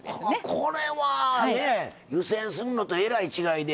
これはね湯せんするのとえらい違いで。